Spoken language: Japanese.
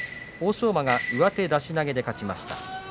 欧勝馬が上手出し投げで勝ちました。